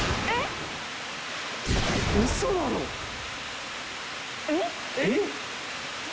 えっ？